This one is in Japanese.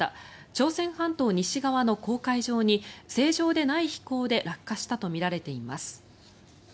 朝鮮半島西側の黄海上に正常でない飛行で落下したとみられています。